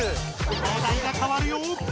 お題がかわるよ！